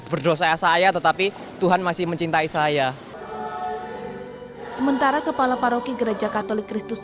berdosa a saya tetapi tuhan masih mencintai saya sementara kepala paroki gereja katolik kristus